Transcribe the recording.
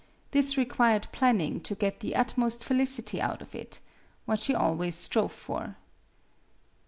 This required planning to get the utmost felicity out of it what she always strove for.